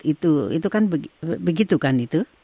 itu itu kan begitu kan itu